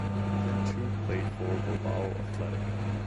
He too played for Bilbao Athletic.